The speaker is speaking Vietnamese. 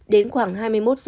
đến khoảng hai mươi ba h